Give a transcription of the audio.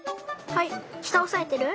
はい。